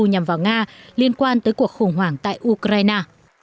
nhằm vào nga liên quan tới cuộc khủng hoảng tại ukraine